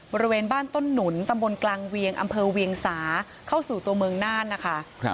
บริเวณบ้านต้นหนุนตำบลกลางเวียงอำเภอเวียงสาเข้าสู่ตัวเมืองน่านนะคะ